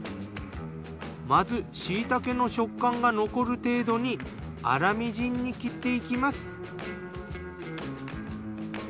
まず椎茸の食感が残る程度に粗みじんに切っていきます。